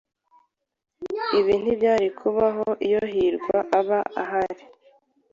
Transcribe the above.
Ibi ntibyari kubaho iyo hirwa aba ahari.